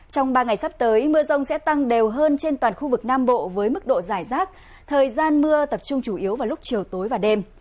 trong ba ngày sắp tới mưa rông sẽ tăng đều hơn trên toàn khu vực nam bộ với mức độ dài rác thời gian mưa tập trung chủ yếu vào lúc chiều tối và đêm